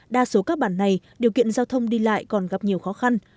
đa số các bản này điều kiện giao thông đi lại còn gặp nhiều khó khăn